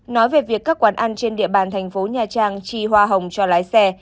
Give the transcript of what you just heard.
nói về việc các quán ăn trên địa bàn thành phố nha trang chi hoa hồng cho lái xe